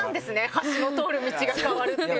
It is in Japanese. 橋の通る道が変わるっていうのは。